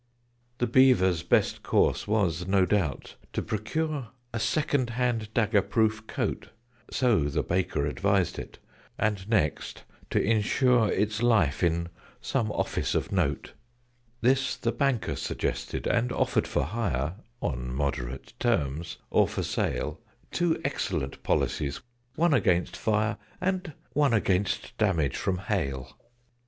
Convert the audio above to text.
The Beaver's best course was, no doubt, to procure A second hand dagger proof coat So the Baker advised it and next, to insure Its life in some Office of note: This the Banker suggested, and offered for hire (On moderate terms), or for sale, Two excellent Policies, one Against Fire, And one Against Damage From Hail.